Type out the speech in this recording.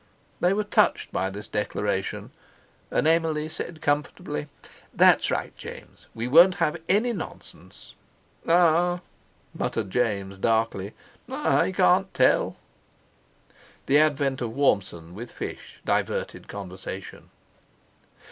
They were touched by this declaration, and Emily said comfortably: "That's right, James, we won't have any nonsense." "Ah!" muttered James darkly, "I can't tell." The advent of Warmson with fish diverted conversation.